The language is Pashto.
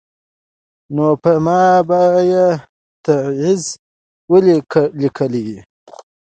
نو په ما به یې تعویذ ولي لیکلای